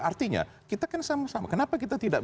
artinya kita kan sama sama kenapa kita tidak